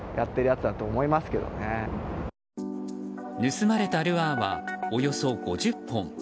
盗まれたルアーはおよそ５０本。